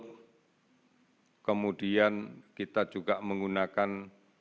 kemudian kita juga menggunakan